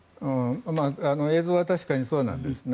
映像は確かにそうなんですね。